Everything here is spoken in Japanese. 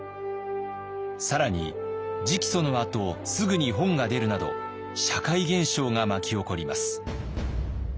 更に直訴のあとすぐに本が出るなど社会現象が巻き起こります。